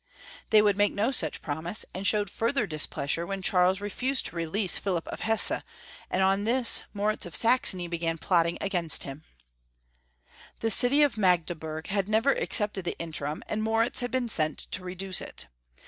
They would make no such promise, and showed further displeasure when Charles refused to release Philip of Hesse, and on this Moritz of Saxony began plotting against him. CharleB V. 295 r I The city of Magdeburg had never accepted the Interim, and Moritz had been sent to reduce it.